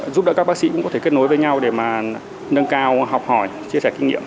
giúp đỡ các bác sĩ cũng có thể kết nối với nhau để mà nâng cao học hỏi chia sẻ kinh nghiệm